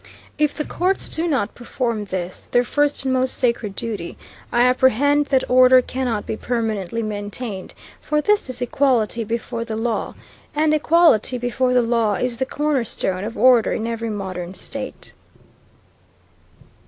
If the courts do not perform this, their first and most sacred duty, I apprehend that order cannot be permanently maintained, for this is equality before the law; and equality before the law is the cornerstone of order in every modern state.